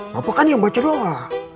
bapak kan yang baca doa